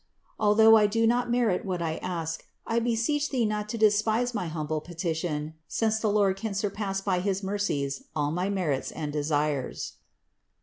Although I do not merit what I ask, I beseech Thee not to despise my humble petition, since the Lord can surpass by his mercies all my merits and desires."